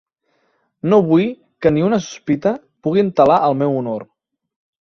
No vull que ni una sospita pugui entelar el meu honor.